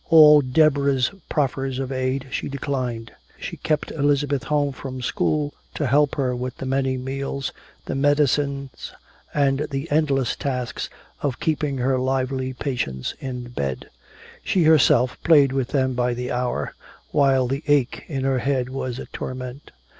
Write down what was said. All Deborah's proffers of aid she declined. She kept Elizabeth home from school to help her with the many meals, the medicines and the endless task of keeping her lively patients in bed. She herself played with them by the hour, while the ache in her head was a torment.